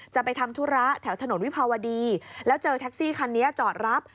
จะไปทำธุระแถวถนนวิภาวดีแล้วเจอแท็กซี่คันนี้จอดรับ